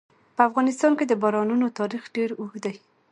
په افغانستان کې د بارانونو تاریخ ډېر اوږد دی.